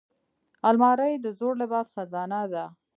الماري د زوړ لباس خزانه ده